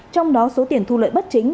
trong đó số tiền thu lợi bất chính